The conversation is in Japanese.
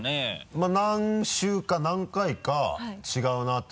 まぁ何週か何回か違うなって。